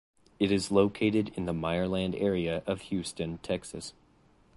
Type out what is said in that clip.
It is located in the Meyerland area of Houston, Texas.